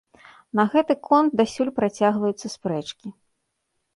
На гэты конт дасюль працягваюцца спрэчкі.